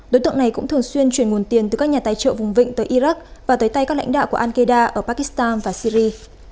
đối tượng này cũng thường xuyên chuyển nguồn tiền từ các nhà tài trợ vùng vịnh tới iraq và tới tay các lãnh đạo của al qaeda ở pakistan và syri